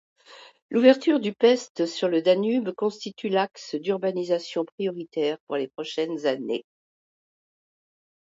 L'ouverture de Pest sur le Danube constitue l'axe d'urbanisation prioritaire pour les prochaines années.